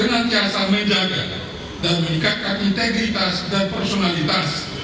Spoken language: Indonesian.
untuk senantiasa menjaga dan meningkatkan integritas dan personalitas